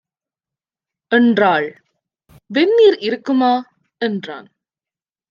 என்றாள். "வெந்நீர் இருக்குமா" என்றான்.